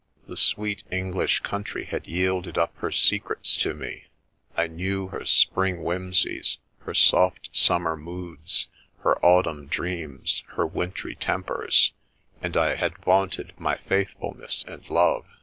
The sweet English country had yielded up her secrets to me; I knew her spring whimsies, her soft summer moods, her autumn dreams, her wintry tempers, and I had vaunted my faithfulness and love.